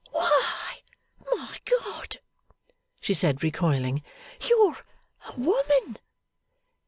'Why, my God!' she said, recoiling, 'you're a woman!